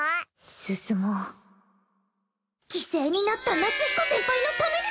進もう犠牲になった夏彦先輩のためにも！